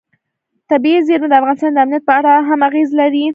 طبیعي زیرمې د افغانستان د امنیت په اړه هم اغېز لري.